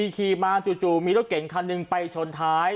ขี่มาจู่มีรถเก่งคันหนึ่งไปชนท้าย